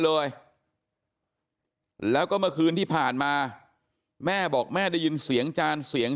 เลยแล้วก็เมื่อคืนที่ผ่านมาแม่บอกแม่ได้ยินเสียงจานเสียง